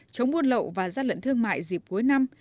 chống buôn lậu và gian lận thương mại dịp cuối năm